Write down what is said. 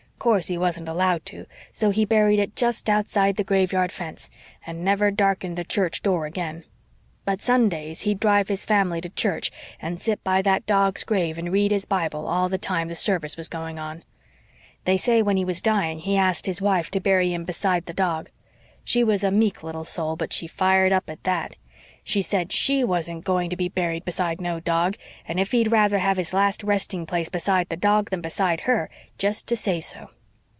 Course, he wasn't allowed to; so he buried it just outside the graveyard fence, and never darkened the church door again. But Sundays he'd drive his family to church and sit by that dog's grave and read his Bible all the time service was going on. They say when he was dying he asked his wife to bury him beside the dog; she was a meek little soul but she fired up at THAT. She said SHE wasn't going to be buried beside no dog, and if he'd rather have his last resting place beside the dog than beside her, jest to say so.